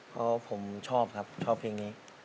เพราะผมชอบครับชอบเพลงนี้